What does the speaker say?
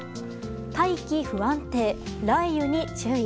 大気不安定、雷雨に注意。